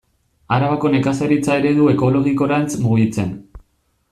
Arabako nekazaritza eredu ekologikorantz mugitzen.